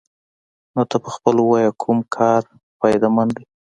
نو ته پخپله ووايه کوم کار فايده مند دې.